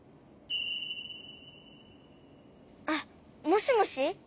あっもしもし？